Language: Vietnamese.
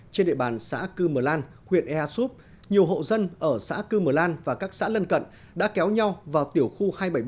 trên địa bàn xã cư mờ lan huyện ea súp nhiều hộ dân ở xã cư mờ lan và các xã lân cận đã kéo nhau vào tiểu khu hai trăm bảy mươi bảy